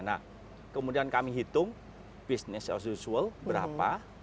nah kemudian kami hitung bisnis as usual berapa